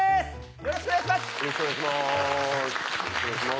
よろしくお願いします！